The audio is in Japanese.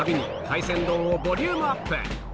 海鮮丼をボリュームアップ